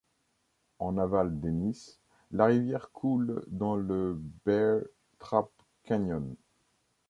En aval d'Ennis, la rivière coule dans le Bear Trap Canyon.